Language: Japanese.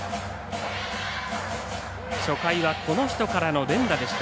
初回はこの人からの連打でした。